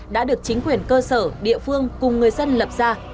đã được chính quyền cơ sở địa phương cùng người dân lập ra